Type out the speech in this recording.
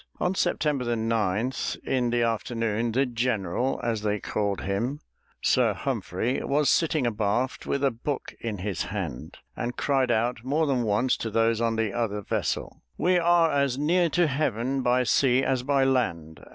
On September 9, in the afternoon, "the general," as they called him, Sir Humphrey, was sitting abaft with a book in his hand, and cried out more than once to those in the other vessel, "We are as near to heaven by sea as by land."